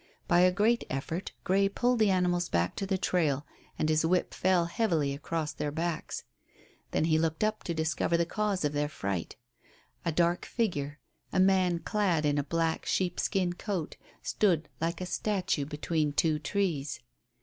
By a great effort Grey pulled the animals back to the trail and his whip fell heavily across their backs. Then he looked up to discover the cause of their fright. A dark figure, a man clad in a black sheepskin coat, stood like a statue between two trees.